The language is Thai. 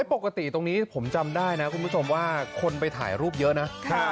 ปกติตรงนี้ผมจำได้นะคุณผู้ชมว่าคนไปถ่ายรูปเยอะนะ